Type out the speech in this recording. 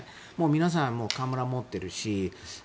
皆さんカメラを持っているし。